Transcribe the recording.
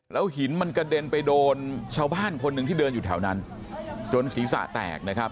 หินมันกระเด็นไปโดนชาวบ้านคนหนึ่งที่เดินอยู่แถวนั้นจนศีรษะแตกนะครับ